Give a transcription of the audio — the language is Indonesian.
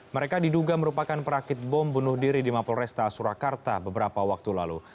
mereka diduga merupakan perakit bom bunuh diri di mapol resta surakarta beberapa waktu lalu